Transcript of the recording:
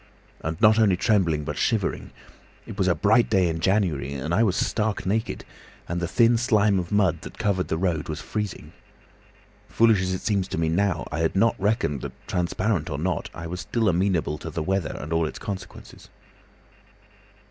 And not only trembling, but shivering. It was a bright day in January and I was stark naked and the thin slime of mud that covered the road was freezing. Foolish as it seems to me now, I had not reckoned that, transparent or not, I was still amenable to the weather and all its consequences.